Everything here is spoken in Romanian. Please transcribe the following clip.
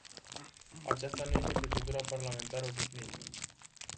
Aceasta nu este procedura parlamentară obișnuită.